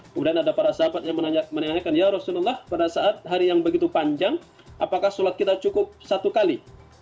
kemudian ada para sahabat yang menanyakan ya rasulullah pada saat hari yang begitu panjang apakah sholat kita cukup satu kali